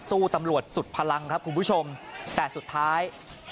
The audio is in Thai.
ซู้ดฟังกันสุดพลังครับคุณผู้ชมแต่สุดท้าย